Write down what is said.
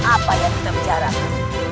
apa yang kita bicarakan